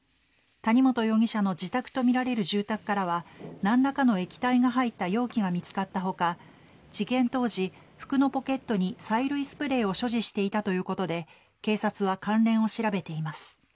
谷本容疑者の自宅とみられる住宅からは何らかの液体が入った容器が見付かった他事件当時服のポケットに催涙スプレーを所持していたということで警察は関連を調べています。